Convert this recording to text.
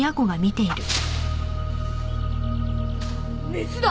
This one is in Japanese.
メスだ！